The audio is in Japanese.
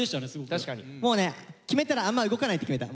もうね決めたらあんま動かないって決めた。